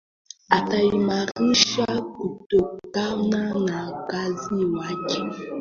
Ataimarisha kutokana na kazi yake nzuri katika jamii ikiwemo kuunganisha vijana bila kujali dini